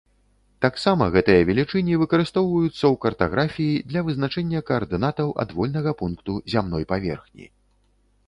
Таксама гэтыя велічыні выкарыстоўваюцца ў картаграфіі для вызначэння каардынатаў адвольнага пункту зямной паверхні.